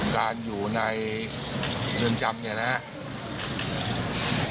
การอยู่ในเรือนจำเนี่ยนะครับ